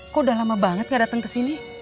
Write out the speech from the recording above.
kok udah lama banget gak datang kesini